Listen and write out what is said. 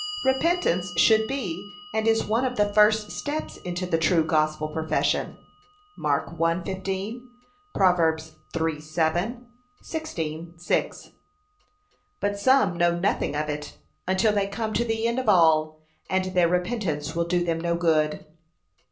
Repentance should be, and is one of the first steps into the true gospel profession. (Mark 1:15; Prov 3:7; 16:6) But some know nothing of it, until they come to the end of all, and their repentance will do them no good.